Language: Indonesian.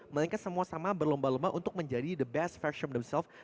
melainkan semua sama berlomba lomba untuk menjadi the best fashion themselves